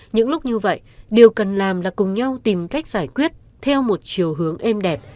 những lúc như vậy điều cần làm là cùng nhau tìm cách giải quyết theo một chiều hướng êm đẹp